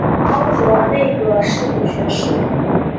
超擢内阁侍读学士。